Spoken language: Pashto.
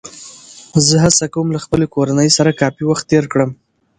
زه هڅه کوم له خپلې کورنۍ سره کافي وخت تېر کړم